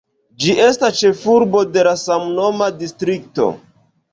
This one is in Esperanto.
Ĝi estas ĉefurbo de la samnoma distrikto.